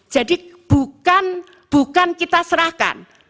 jadi bukan kita serahkan